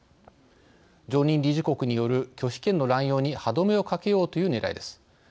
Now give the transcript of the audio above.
常任理事国による拒否権の乱用に歯止めをかけようというねらいです。